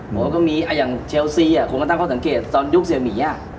ผมว่าก็มีอย่างเชลซีคุณพระตั้งเขาสังเกตตอนยุคเสียหมี